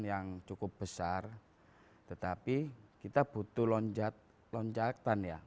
yang cukup besar tetapi kita butuh lonjakan ya